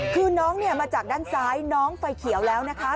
คือน้องมาจากด้านซ้ายน้องไฟเขียวแล้วนะคะ